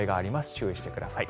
注意してください。